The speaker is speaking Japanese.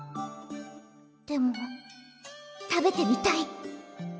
でも食べてみたい！